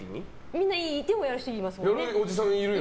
みんないてもやる人いますもんね。